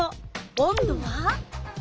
温度は？